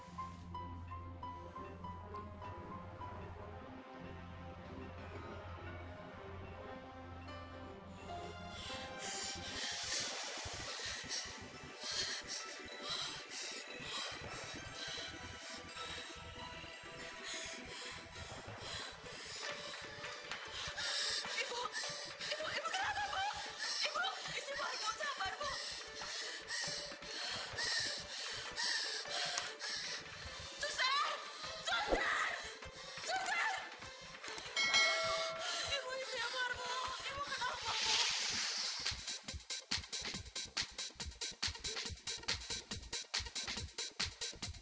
tapi kalau kakaknya kekacauan samagu kenapa brutta